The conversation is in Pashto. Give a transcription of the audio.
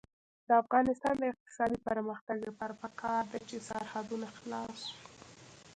د افغانستان د اقتصادي پرمختګ لپاره پکار ده چې سرحدونه خلاص وي.